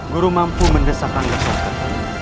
guru mampu mendesakkan kekuatan